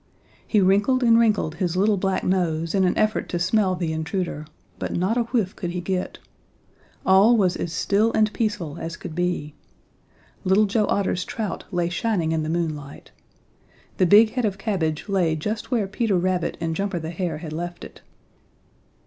He wrinkled and wrinkled his little black nose in an effort to smell the intruder, but not a whiff could he get. All was as still and peaceful as could be. Little Joe Otter's trout lay shining in the moonlight. The big head of cabbage lay just where Peter Rabbit and Jumper the Hare had left it.